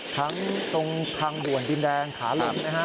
ทั้งตรงทางด่วนดินแดงขาหลังนะฮะ